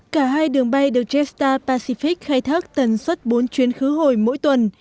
cả hai đường bay được jetstar pacific khai thác tần suất bốn chuyến khứ hồi mỗi tuần